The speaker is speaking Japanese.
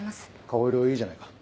顔色いいじゃないか。